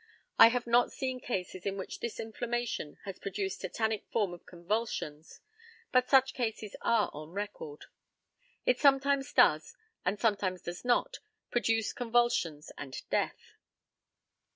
I have not seen cases in which this inflammation has produced tetanic form of convulsions, but such cases are on record. It sometimes does, and sometimes does not, produce convulsions and death.